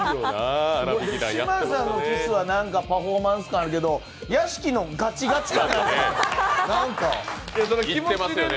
嶋佐のキスはパフォーマンス感あるけど屋敷のガチガチ感。